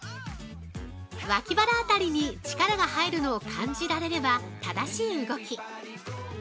◆脇腹あたりに力が入るのを感じられれば正しい動き。